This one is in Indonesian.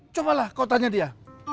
cobalah kau tanya dia